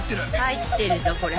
入ってるぞこれ。